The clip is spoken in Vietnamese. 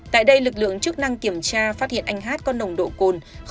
tại đây lực lượng chức năng kiểm tra phát hiện anh hát có nồng độ cồn chín trăm một mươi ba m